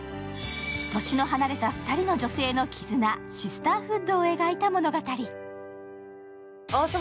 年の離れた２人の女性の絆、シスターフッドを描いた物語。